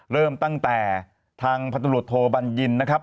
เริ่มตั้งแต่ทางพธโทบันยินฯนะครับ